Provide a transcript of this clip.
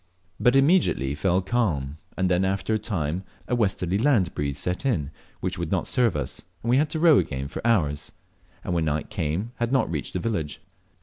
But it immediately fell calm, and then after a time a westerly land breeze set in, which would not serve us, and we had to row again for hours, and when night came had not reached the village.